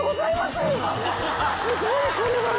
すごいこれは。